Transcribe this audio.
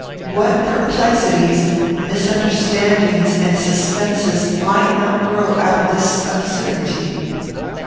What perplexities, misunderstandings, and suspenses might not grow out of this uncertainty?